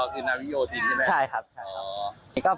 พี่สาวเจ้าใช่ครับใช่ครับ